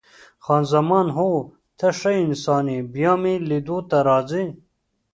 خان زمان: هو، ته ښه انسان یې، بیا مې لیدو ته راځې؟